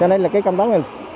cho nên là cái công tác này